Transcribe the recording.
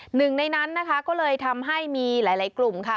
หนึ่งในนั้นนะคะก็เลยทำให้มีหลายกลุ่มค่ะ